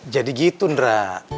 jadi gitu ndra